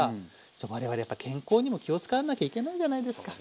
我々やっぱ健康にも気を遣わなきゃいけないじゃないですか。